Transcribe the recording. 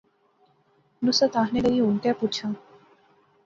نصرت آخنے لاغی، ہن کہہ پچھاں